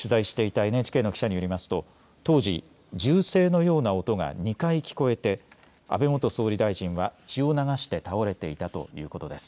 現地で取材をしていたＮＨＫの記者によりますと当時、銃声のような音が２回聞こえて安倍元総理大臣は血を流して倒れていたということです。